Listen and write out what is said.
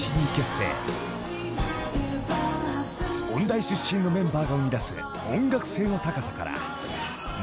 ［音大出身のメンバーが生み出す音楽性の高さから］